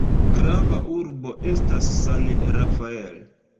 Grava urbo estas San Rafael.